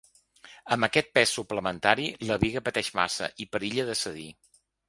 Amb aquest pes suplementari la biga pateix massa i perilla de cedir.